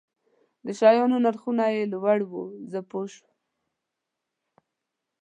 د شیانو نرخونه یې لوړ وو، زه پوه شوم.